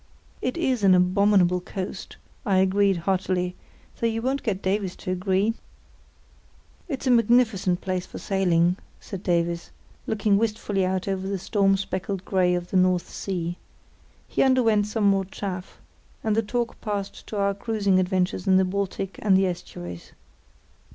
"It is an abominable coast," I agreed heartily, "though you won't get Davies to agree." "It's a magnificent place for sailing," said Davies, looking wistfully out over the storm speckled grey of the North Sea. He underwent some more chaff, and the talk passed to our cruising adventures in the Baltic and the estuaries.